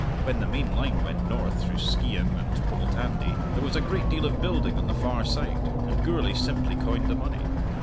When the main line went north through Skeighan and Poltandie, there was a great deal of building on the far side, and Gourlay simply coined the money.